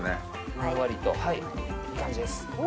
ふんわりといい感じです。